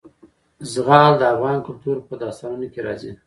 زغال د افغان کلتور په داستانونو کې راځي.